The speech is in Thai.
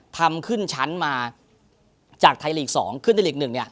ทำขึ้นชั้นมาจากไทยลีก๒ขึ้นในหลีก๑เนี่ย